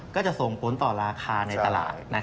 ก็จะส่งผลต่อราคาในตลาดนะครับ